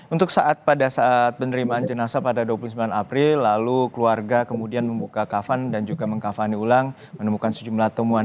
untuk saat pada saat penerimaan jenazah pada dua puluh sembilan april lalu keluarga kemudian membuka kafan dan juga mengkavani ulang menemukan sejumlah temuan